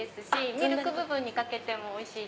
ミルク部分にかけてもおいしい。